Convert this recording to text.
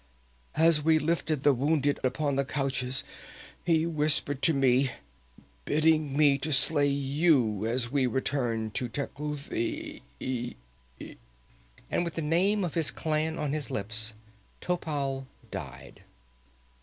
As we lifted the wounded upon the couches he whispered to me, bidding me to slay you as we returned to Tecuhltli " And with the name of his clan on his lips, Topal died.